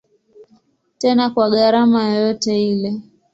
Tena kwa gharama yoyote ile.